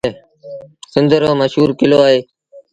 سنڌ رو مشهور ڪلو اهي۔